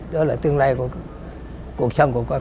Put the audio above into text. đó là tương lai của cuộc sống của con